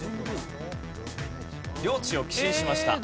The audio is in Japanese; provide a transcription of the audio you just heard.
領地を寄進しました。